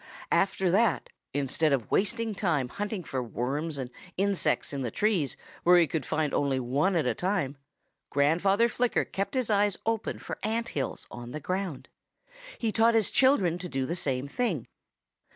After that, instead of wasting time hunting for worms and insects in the trees where he could find only one at a time, Grandfather Flicker kept his eyes open for ant hills on the ground. He taught his children to do the same thing.